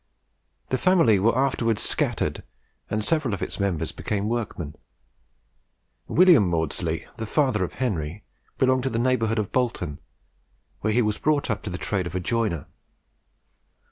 The family were afterwards scattered, and several of its members became workmen. William Maudslay, the father of Henry, belonged to the neighbourhood of Bolton, where he was brought up to the trade of a joiner.